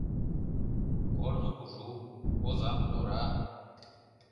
Корно кужу, Озаҥ тора.